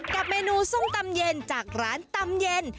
กับเมนูส้มตำเย็นจากร้านตำเย็น